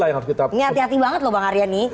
yang harus kita ini hati hati banget loh bang aryani